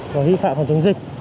và vi phạm phòng chống dịch